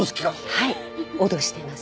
はい脅してます。